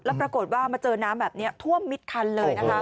แล้วปรากฏว่ามาเจอน้ำแบบนี้ท่วมมิดคันเลยนะคะ